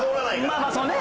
まあまあそうね。